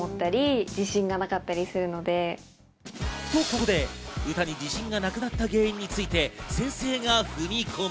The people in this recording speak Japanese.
ここで歌に自信がなくなった原因について先生が踏み込む。